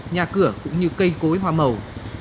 nhà cửa cũng như cây cối hoa màu